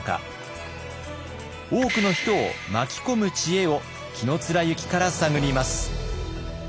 多くの人を巻き込む知恵を紀貫之から探ります。